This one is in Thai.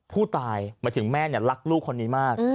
ผู้ตายหมายถึงแม่เนี่ยรักลูกคนนี้มาก